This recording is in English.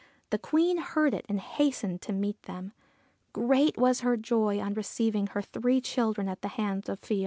The Queen heard it and hastened to meet them. Great was her joy on receiving her three children at the hands of Fion.